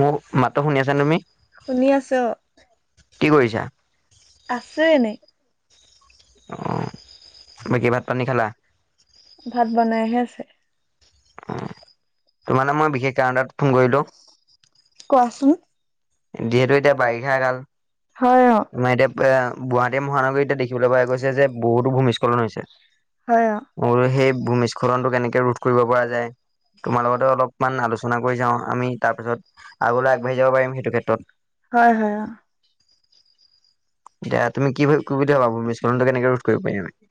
মোৰ মাতটো শুনি আছা তুমি? শুনি আছ কি কৰিছা? আছো এনে অ বাকী ভাত পানী খালা? ভাত বনাইহে আছে অ তো মানে মই বিশেষ কাৰণ তাত ফোন কৰিলো কোৱাচোন যিহেতু এতিয়া বাৰিষা কাল, হয় অ, আমাৰ এতিয়া এ গুৱাহাটী মহানগৰীত এতিয়া দেখিবলৈ পোৱা গৈছে যে, হয় অ, বহুতো ভূমিস্খলন হৈছে আৰু সেই ভূমিস্খলনটো কেনেকে ৰোধ কৰিব পৰা যায় অলপমান আলোচনা কৰি যাও আমি তাৰ পাছত আগলৈ আগবাঢ়ি যাব পাৰিম সেইটো ক্ষেত্ৰত হয় হয় এতিয়া তুমি কি কি বুলি ভাবা ভূমিস্খলনটো ভূমিস্খলন কেনেকে ৰোধ কৰিব পাৰিম আমি? হৈছে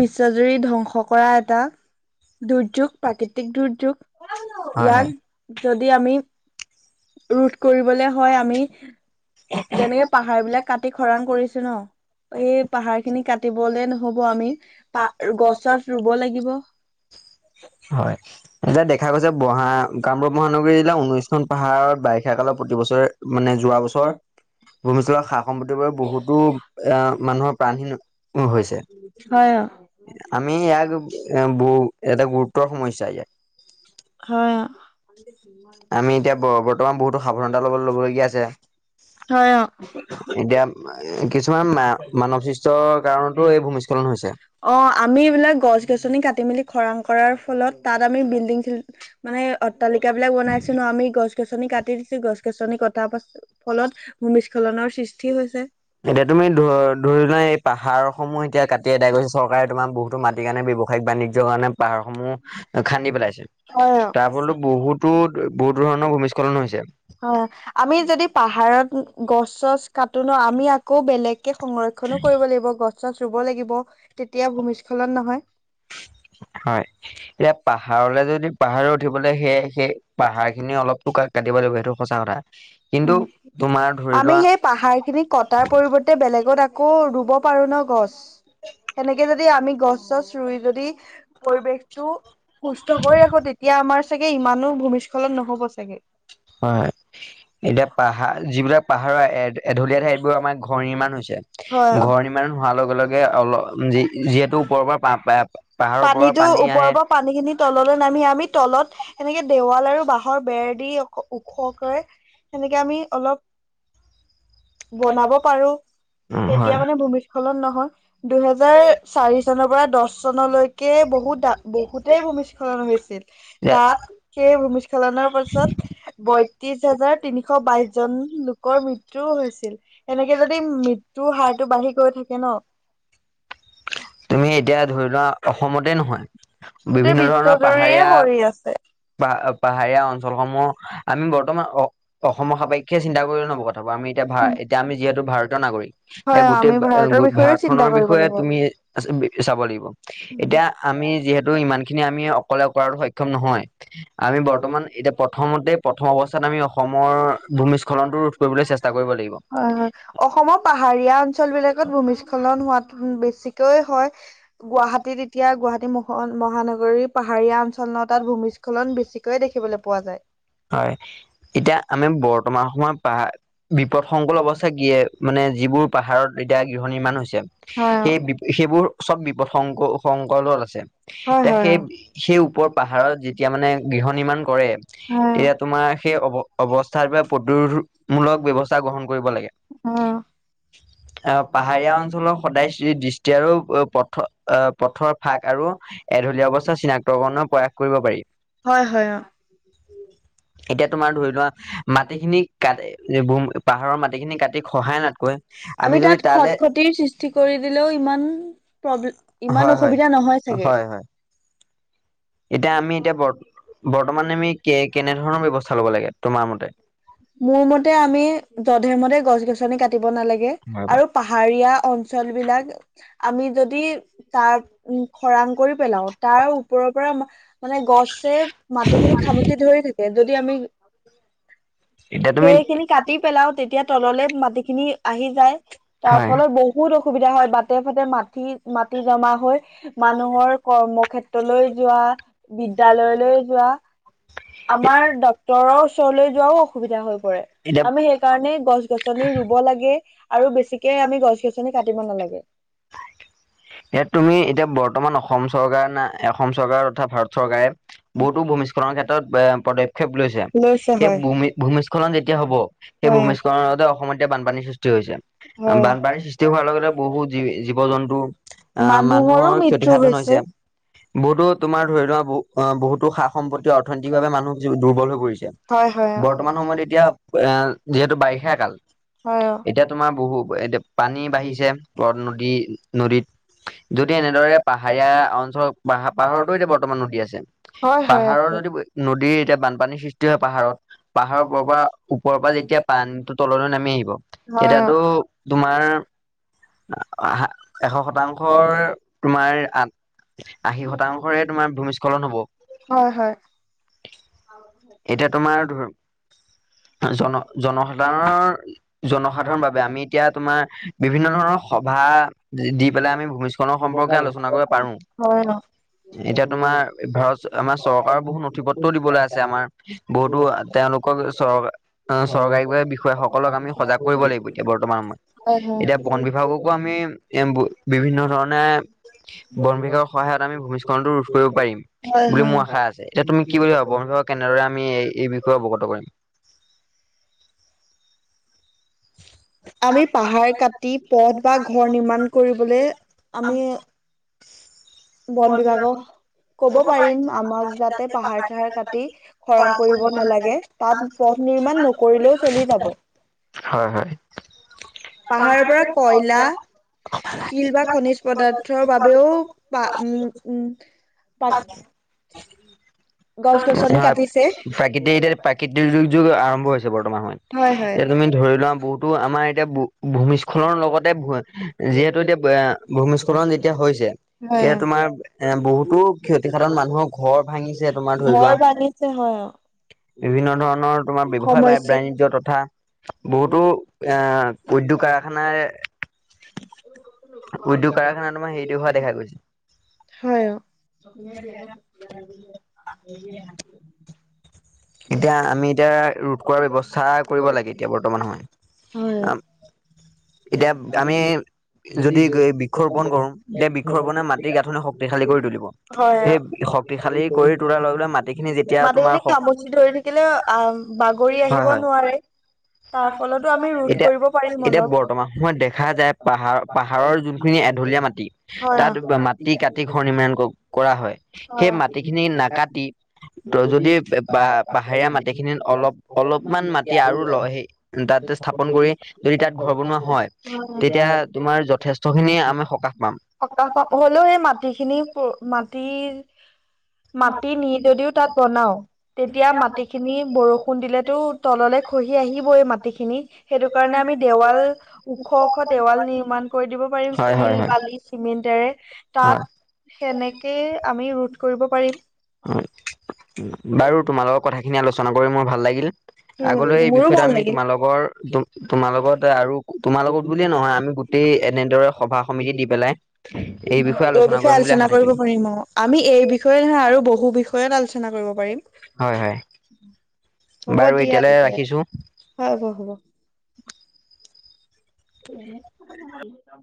বিশ্বজুৰি ধ্বংস কৰা এটা দুৰ্যোগ প্ৰাকৃতিক দুৰ্যোগ ইয়াত যদি আমি ৰোধ কৰিবলৈ উ হয় আমি যেনেকে পাহাৰ বিলাক কাটি খৰাং কৰিছো ন সেই পাহাৰ খিনি কাটিবলে নহব আমি প গছ চছ ৰুব লাগিব হয়। এতিয়া দেখা গৈছে লাগিব বহা কামৰূপ মহানগৰী জিলাৰ ঊনৈশখন পাহাৰত বাৰিষা কালত বছৰে মানে বছ যোৱা বছৰ সা ভূমিস্খলনৰ সা সম সম্পত্তিবোৰে বহুতো এ মানুহৰ প্ৰাণহীন হৈছে প্ৰ আমি আমি ই ইয়াক এ বহু এটা এটা গুৰুত্বৰ গুৰুতৰ সমস্যা ইয়াত সমসা আমি এতিয়া বৰ্তমান বত অ এতিয়া কিছুমান মানৱ সৃষ্টৰ কাৰণতো এই ভূমিস্খলন হৈছে অ আমি এইবাক গছ গছ কি মেলি খৰাং কৰাৰ ফলত তাত আমি বিল্ডিং মানে অট্টালিকা বিলাক বনাইছো ন আমি গছ গছনি কাটি গছ গছনি কথা পাছ ফলত ভূমিস্খলনৰ সৃষ্টি হৈছে। এতিয়া তুমি ধ ধৰি লোৱা এই পাহাৰ সমূহ এতিয়া কাটি এদাই গৈছে চৰকাৰে তোমাৰ বহুতো মাটিৰ কাৰণে ব্যসায়িক বাণিয্যয়ৰ কাৰণে পাহাৰ সমূহ খান্দি পেলাইছে হয় তাৰ ফলতো বহুতো বহুতো ধৰণৰ ভূমিস্খলন হৈছে হয় আমি যদি পাৰত গছ চছ কটো ন আমি আকৌ বেলেগকে সংৰক্ষনো কৰিব লাগিব গছ চছ ৰুব লাগিব তেতিয়া ভূমিস্খলন নহয় হয় এতিয়া পাহাৰলৈ যদি পাহাৰলৈ উঠিবলৈ সেই সেই পাহাৰ সচা কৰা উ আমি সেই পাহাৰ খিনি কটাৰ পৰিৱৰ্তে বেলেগত আকৌ ৰুব পাৰো ন গছ সেনেকে যদি আমি গছ চছ ৰুই যদি পৰিৱেশতটো সুস্থ কৰি ৰাখো তেতিয়া আমাৰ চাগে ইমানো ভূমিস্খলন নহ হ'ব চাগে হয় এতিয়া পাহাৰ যিবিলাক পাহাৰৰ এঢলীয়া ঠাইতবোৰ আমাৰ ঘৰ নিৰ্মাণ হৈছে ঘৰ নিৰ্মাণ হোৱাৰ লগে লগে অলপ যিহেতু ওপৰৰ পৰা পাহাৰৰ পৰা পানটো পানী আহে ওপৰৰ পানী খিন তল নামি আমি তলত এনেকে দেৱাল আৰু বাঁহৰ বেৰ দি অ ওখ কৰে সেনেকে আমি অলপ বনাব পাৰো উম তেতিয়া হয় মানে ভূমিস্খলন নহয় দুহেজাৰ চাৰি চনৰ পৰা দহ চনলৈকে বহুত দা বহুতেই ভূমিস্খলন হৈছিল তাত সেই ভূমিস্খলনৰ পাছত বয়ত্ৰিশ হাজাৰ তিনিশ বাইশ জন লোকৰ টোও হৈছিল এনেকে যদি মৃত্যু হাৰ টো বাঢ়ি গৈ থাকে ন তুমি এতিয়া ধৰি লোৱা অসমতে নহয় গোটেই বিভিন্ন বিশ্ব ধৰণৰ দৰে পাহাৰীয়া কৰি আছে পাহ পাহাৰ পাহাৰীয়া অঞ্চলসমূহ আমি বৰ্তমান অ অসমৰ সাপেক্ষে চিন্তা কৰিলে নব কথা পাৰ আমি এতিয়া ভ এতিয়া আমি যিহেতু ভাৰতীয় নাগৰিক এতিয়া হয় গোটেই আমি ভাৰতৰ বিষয়েও ভাৰত চিন্তা খনৰ কৰিব বিষয়ে লাগিব হয় তুমি চাব লাগিব এতিয়া আমি যিহেতু ইমান খিনি আমি অকলে কৰাতো সক্ষম নহয় আমি বৰ্তমান এতিয়া প্ৰথমতে হয় হয় প্ৰথম অৱস্থাত আমি অসমৰ ভূমিস্খলনটো ৰোধ কৰিবলৈ চেষ্টা কৰিব লাগিব অসমৰ পাহাৰীয়া অঞ্চল বিলাকত ভূমিস্খলন হোৱাত বেছি হয় গুৱাহাটীত এতিয়া গুৱাহাটী মহ মহানগৰীৰ পাহাৰীয়া অঞ্চল ন তাত ভূমিস্খলন বেছিকৈয় দেখিবলৈ পোৱা যায় হয় এতিয়া আমি বৰ্তমান সময়ত পাহাৰ বিপদসংকুল অৱস্থা কিিয়ে মানে যিবোৰ পাহাৰত এতিয়া গৃহ নিৰ্মামান হৈছে হয় সেই সেইবোৰ চব বিপদ শ শকলত আছে এতিয়া হয় সেই সেই ওপৰ পাহাৰত যেতিয়া মানে গৃহ নিৰ্মাণ কৰে অ হয় এয়া তোমাৰ সেই অৱ অৱস্থাৰ পৰা প্ৰদোধমূলক ব্য্ৱস্থা গ্ৰহণ কৰিব লাগে অ আহ পাহাৰীয়া অঞ্চলৰ সদায় এতিয়াৰো পথ আহ পথৰ ফাক আৰু এঢলীয়া অৱস্থা চিনাক্তকৰণৰ প্ৰয়াস কৰিব পাৰি হয় হয় অ এতিয়া তোমাৰ ধৰি লোৱা মাটিখিনি কাট পাহাৰৰ মাটিখিনি কাটি সহায়নাতকৈ আমি যদি তালৈ অম প্ৰব্ ইমান অসুবিধা নহয় চাগে হয় হয় এতিয়া আমি এতিয়া বৰ বৰ্তমানে আমি কে কেনেধৰণৰ ব্যৱস্থা ল'ব লাগে তোমাৰ মতে? মোৰ মতে আমি যধে মধে গছ গছনি কাটি আ কাটিব নালাগে আৰু খৰিয়া অঞ্চল বিলাক আমিযদি খৰাং কৰিপালা ও আৰু তাৰ ওপৰত মানে গছ চছ মাটিখিনি খানি [unintelligible] ধ থাকে যদি আমি এতিয়া তুমি সেইখিনি কাটি পেলাও তেতিয়া তললৈ মাটিখিনি আহি যায় তাৰ হয় ফলত বহুত অসুবিধা হয় বাটে ফাটে মাটি মাটি জমা হৈ মানুহৰ কৰ্মক্ষেত্ৰলৈ যোৱা বিদ্য়ালয়লৈ যোৱা আমাৰ ডাক্তৰৰ ওচৰলৈ যোৱাও সবি [unintelligible] হৈ প এতিয়া আমি সেইকাৰণে গছ গছনি ৰুব লাগে আৰু বেছিকে আমি গছ গছনি ক নাগে এতিয়া তুমি এতিয়া বৰ্তমান অসম চৰকাৰ না অসম চৰকাৰ তথা ভাৰত চৰকাৰে বহুতো ভূমিস্খলনৰ ক্ষেত্ৰত এ পদক্ষেপ লৈছে এই হয়। ভূমি ভূমিস্খলন যেতিয়া হব সেই হয় ভূমিস্খলনৰ লগতে অসমতয়া বানপানীৰ সৃষ্টি হৈছে হয়। বানপানীৰ সৃষ্টি হোৱাৰ লগতে বহুত জী জীৱ জন্তু আহ মানুহৰো মানুহৰ মৃত্যু ক্ষতিসাধন হৈছে বহুতো তোমাৰ ধৰি লোৱা বহুতো সা সম্পত্তি অৰ্থনৈতিকভাৱে মানুহ দুৰ্বল হৈ পৰিছে। [unintelligible] হয় হয় বৰ্তমান সময়ত এতিয়া এ যিহেতু বাৰিষা কাল হয় অ এতিয়া তোমাৰ বহু এতিয়া পানী বাঢ়িছে নদী নদীত যদি এনেদৰে পাহাৰীয়া অঞ্চল পাহ পাহাৰতো এতিয়া বৰ্তমান নদী আছে হয় হয় পাহাৰৰ আকৌ যদি নদীৰ এতিয়া বানপানীৰ সৃষ্টি হয় পাহাৰত পাহাৰৰ ওপৰপা ওপৰৰ পৰা যেতিয়া পানীটোৰ তললৈ নামি আহিব হয় অ তেতিয়াতো তোমাৰা এশ শতাংশৰ তোমাৰ আ আশী শতাংশৰে তোমাৰ ভূমিস্খলন হব। হয় হয় এতিয়া তোমাৰ ধৰ জন জনসাধাৰণৰ-জনসাধাৰণ বাবে আমি এতিয়া তোমাৰ বিভিন্ন ধৰণৰ সভা দি পেলাই আমি ভূমিস্খলনৰ সম্পৰ্কে আলোচনা কৰিব পাৰো অ হয় অ এতিয়া তোমাৰ ভাৰত আমাৰ চৰকাৰৰ বহুত নথি পত্ৰ দিবলৈ আছে আমাৰ বহুতো তেওঁলোকক চৰ চৰকাৰীবোৰে বিষয়াসকলক আমি সজাগ কৰিব লাগিব এতিয়া বৰ্তমান সময়ত হয় হয় এতিয়া বন বিভাগকো আমি এ বিভিন্ন ধৰণে বন বিভাগৰ সহায়ত আমি ভূমিস্খলনটো ৰোধ কৰিব পাৰিম বুলি মোৰ আশা আছে। কিন্তু কি হয় আকৌ তোমাৰ দৰে আমি এই-এই বিষয়ে অৱগত কৰিম আমি পাহাৰ কাটি পথ বা ঘৰ নিাণ কৰিবলৈ আমি বন বিভাগক কব পাৰিম আমাক যাতে পাহাৰ চাহাৰ কাটি খৰাং কৰিব নালাগে তাত পথ নিৰ্মাণ নকৰিলেও চলি যাব হয় হয় পাহাৰৰ পৰা কয়লা শিল বা খনিজ পদাৰ্থৰ বাবেও ত উম আমি উম পাক তাকে গছ গছনি হয় কাটিছে প্ৰাকৃতি এতিয়া প্ৰাকৃতিক দুৰ্যোগ আৰম্ভ হৈছে বৰ্তমান সময়ত হয় হয় এতিয়া তুমি ধৰি লোৱা বহুতো আমাৰ এতিয়া ভূ ভূমিস্খলনৰ লগতে যিহেতু এতিয়া ভূমিস্খলন যেতিয়া হৈছে এতিয়া হয় তোমাৰ এ বহুত তো ক্ষতিসাধাৰণ মানুহৰ ঘৰ ভাঙি যে তোমাৰ ধৰি ঘৰ লোৱা ভাঙিছে হয় অ বিভিন্ন ধৰণৰ তোমাৰ ব্যৱসায় বা সমস্যা বাণিজ্য তথা বহুতো এ উদ্যোগ কাৰখানাৰ উদ্যোগ কাৰখানা তোমাৰ হেৰিটো হোৱা দেখা গৈছে। চপ বিয় সেইবিধ এতিয়া আমি এতিয়া ৰোধ কৰাৰ ব্যৱস্থা কৰিব লাগে এতিয়া বৰ্তমান সময়ত হয় অ এতিয়া আমি যদি বৃক্ষৰোপন কৰো এতিয়া বৃক্ষৰোপণে মাটিৰ গাঁথনি শক্তিশালী কৰি তুলিব সেই শক্তিশালী কৰি তোলাৰ লগে লগে মাটিখিনি যেতিয়া তোমাৰ মাটিখিনিক শক্তি খামুচি ধৰি থাকিলে আ বাগৰি আহিব নোৱাৰে তাৰ ফলতো আমি ৰোধ কৰিব পাৰিম এতিয়া-এতিয়া অলপ বৰ্তমান সময়ত দেখা যায়। পাহাৰ-পাহাৰৰ যোনখিনি এঢলীয়া মাটি হয় অ তাত মাটি কাটি ঘৰ নিৰ্মাণ কৰা হয়। হয় সেই মাটিখিনি না কাটি ত যদি পাহাৰীয়া মাটিখিনিত অলপ অলপমান মাটি আৰু লৈ সেই তাতে স্থাপন কৰি যদি তাত ঘৰ বনোৱা হয় তেতিয়া অ তোমাৰ তেতিয়া তোমাৰ যথেষ্টখিনি আমি যথেষ্ট সকাহ পাম। খিনি আমি সকাহ পাম সকাহ পাব হলেও সেই মাটিখিনি মাটিৰ মাটি নি যদিও তাত বনাও তেতিয়া মাটিখিনি বৰষুণ দিলেতো তললে খহি আহিব এই মাটিখিনি সেইটো কাৰণে আমি দেৱাল ওখ ওখ দেৱাল নিৰ্মাণ কৰি দিব পাৰিম হয় শিল হয় হয় বালি চিমেণ্টেৰে তাত সেনেকে আমি ৰোধ কৰিব প ৰিম হয়। বাৰু তোমাল লগৰ কথাখিনি আলোচনা কৰি মোৰ ভাল লাগিল। আগলৈ এই মোৰো বিষয়টো ভাল আমি লাগিল তোমাল লগৰ তোমাৰ লগত আৰু তোমাৰ লগত বুলিয়ে নহয় আমি গোটেই এনেদৰে সভা সমিতি দি পেলাই এই বিষয়ে আলোচনা কৰিম বুলি আশা কৰিব থাকিলো। পাৰিম অ আমি এই বিষয়ে নহয় আৰু বহু বিষয়ত আলোচনা কৰিব। পাৰিম। হয় হ'ব বাৰু দিয়া এতিয়ালৈ তেতিয়া হয় ৰাখিছো। হ'ব হ'ব। এ [unintelligible]